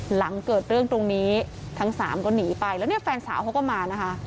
หลังเกิดเรื่องตรงนี้ทั้งสามก็หนีไปแล้วเนี่ยแฟนสาวเขาก็มานะคะ